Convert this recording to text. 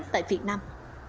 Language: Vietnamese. tại việt nam